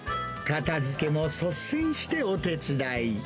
片づけも率先してお手伝い。